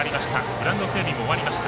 グラウンド整備も終わりました。